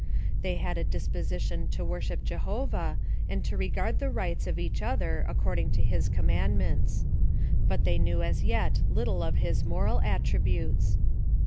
They had a disposi tion to worship Jehovah, and to regard the rights of each other according to his commandments ; but they knew as yet little of his moral attributes.